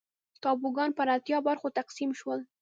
ټاپوګان پر اتیا برخو تقسیم شول.